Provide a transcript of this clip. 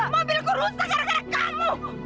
mobilku rusak gara gara kamu